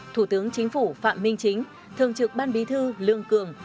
thủ tướng chính phủ phạm minh chính thường trực ban bí thư lương cường